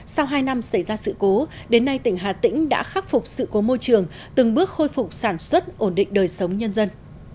sau hai năm xảy ra sự cố đến nay tỉnh hà tĩnh đã khắc phục sự cố môi trường từng bước khôi phục sản xuất ổn định đời sống nhân dân